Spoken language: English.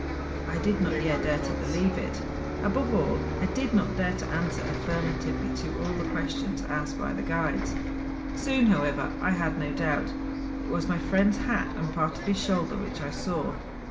I did not yet dare to believe it; above all, I did not dare to answer affirm¬ atively to all the questions asked by the guides. Soon, however, I had no doubt. It was my friend's hat and part of his shoulder which I saw.